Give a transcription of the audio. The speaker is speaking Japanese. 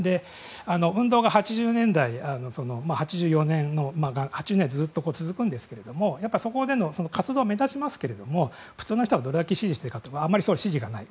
運動が８０年代ずっと続くんですけどもやっぱりそこでの活動は目立ちますけど普通の人がどれだけ支持していたかというとあまり支持がない。